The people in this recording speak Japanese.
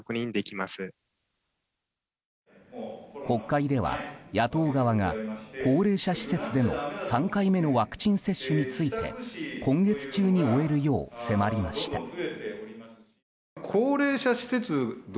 国会では、野党側が高齢者施設での３回目のワクチン接種について今月中に終えるよう迫りました。